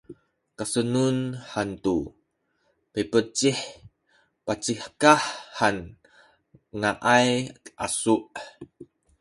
kasenun hantu mipecih pacikah han ngaay asu’